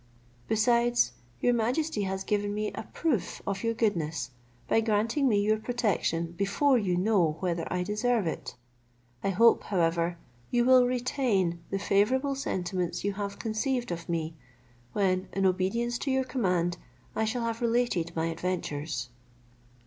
Besides, your majesty has given me a proof of your goodness, by granting me your protection before you know whether I deserve it. I hope, however, you will retain the favourable sentiments you have conceived of me, when, in obedience to your command, I shall have related my adventures."